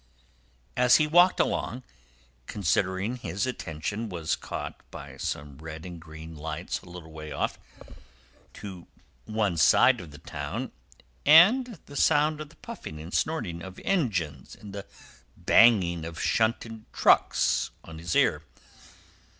As he walked along, considering, his attention was caught by some red and green lights a little way off, to one side of the town, and the sound of the puffing and snorting of engines and the banging of shunted trucks fell on his ear.